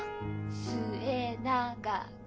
すえながく。